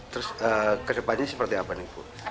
terus kedepannya seperti apa nih bu